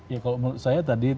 ya kalau menurut saya tadi